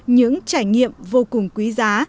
những trải nghiệm vô cùng quý giá